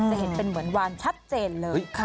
จะเห็นเป็นเหมือนวานชัดเจนเลย